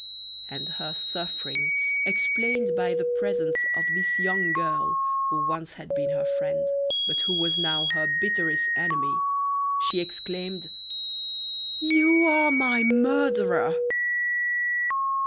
And her suffering, explained by the presence of this young girl who once had been her friend, but who was now her bitterest enemy, she exclaimed: "You are my murderer!"